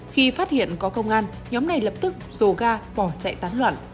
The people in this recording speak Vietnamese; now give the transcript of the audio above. khi phát hiện có công an nhóm này lập tức dồ ga bỏ chạy tán loạn